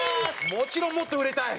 もちろんもっと売れたい！